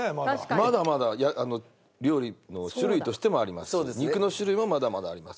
まだまだ料理の種類としてもありますし肉の種類もまだまだありますからね。